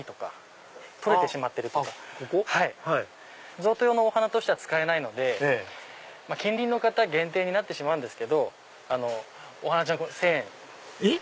贈答用のお花としては使えないので近隣の方限定になってしまうんですけどお花ちゃん１０００円。えっ？